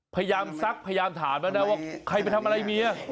พยายามซักพยายามถามแล้วนะว่าใครไปทำอะไรเมีย